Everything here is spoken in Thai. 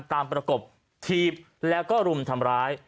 ตามประกบทีบและก็รุมทำร้าย